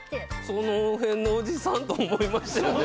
その辺のおじさんと思いましたよね